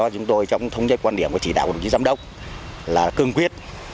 chúng tôi trong thống nhất quan điểm của chỉ đạo của đồng chí giám đốc là cương quyết